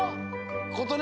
ことね